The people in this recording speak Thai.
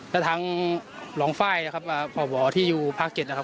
และทั้งรองไฟล์เพราะบ่อที่อยู่ภาค๗อ่าครับ